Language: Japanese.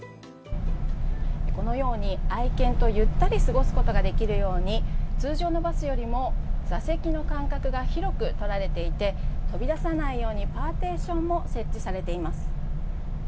このように愛犬とゆったり過ごすことができるように通常のバスよりも座席の間隔が広く取られていて飛び出さないようにパーテーションも設置されています。